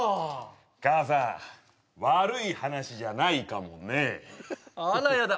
母さん悪い話じゃないかもねあらヤダ